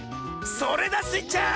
それだスイちゃん！